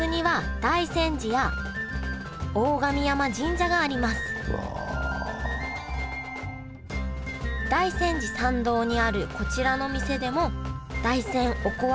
大山寺参道にあるこちらの店でも大山おこわ